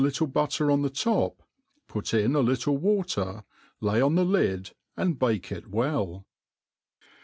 e butter on the top, put in a little water, lay on the lid, and bake it well.